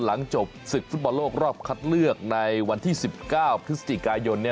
หลังจบศึกฟุตบอลโลกรอบคัดเลือกในวันที่๑๙พฤศจิกายน